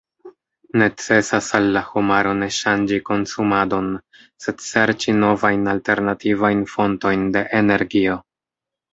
Necesas al la homaro ne ŝanĝi konsumadon, sed serĉi novajn alternativajn fontojn de energio.